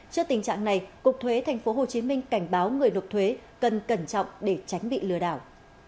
trước tình trạng này cục thuế tp hcm cảnh báo người nộp thuế cần cẩn trọng để tránh bị lừa đảo